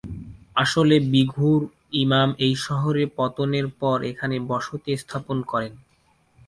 আসলে বিঘুর ইমাম এই শহর পতনের পর এখানে বসতি স্থাপন করেন।